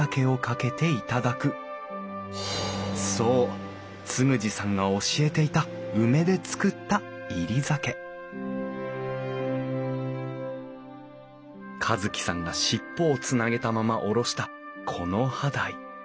そう嗣二さんが教えていた梅で作った煎り酒一樹さんが尻尾をつなげたまま下ろした木葉鯛。